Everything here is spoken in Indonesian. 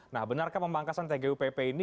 nah benarkah pemangkasan tgupp ini